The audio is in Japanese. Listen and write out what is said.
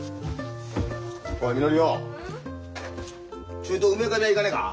ちょいと梅若部屋行かねえか？